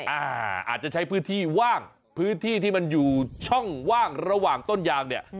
อาจจะใช้พื้นที่ว่างพื้นที่ที่มันอยู่ช่องว่างระหว่างต้นยางเนี่ย